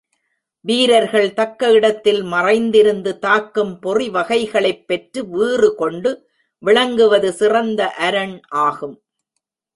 வீரர்கள் தக்க இடத்தில் மறைந்திருந்து தாக்கும் பொறிவகைகளைப் பெற்று வீறுகொண்டு விளங்குவது சிறந்த அரண் ஆகும்.